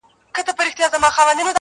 بدرګه را سره ستوري وړمه یاره,